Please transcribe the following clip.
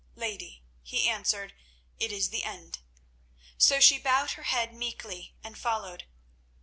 "Lady," he answered, "it is the end." So she bowed her head meekly and followed.